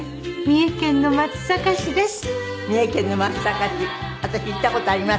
三重県の松阪市です。